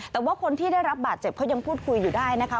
แต่ว่าคนที่ได้รับบาดเจ็บเขายังพูดคุยอยู่ได้นะคะ